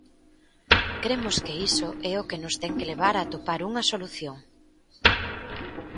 Cremos que iso é o que nos ten que levar a atopar unha solución.